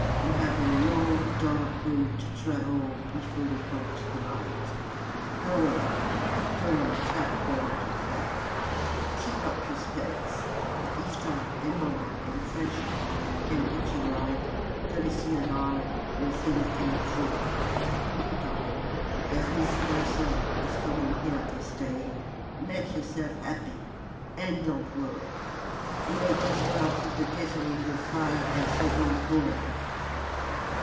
We have a long dark road to travel before we come to the light. However" Durham clapped Bernard on the back "keep up your spirits. If time, and money, and friendship can put you right, Conniston and I will see the thing through. Meantime, as Miss Malleson is coming here this day, make yourself happy and don't worry." "You might as well put the kettle on the fire and say don't boil."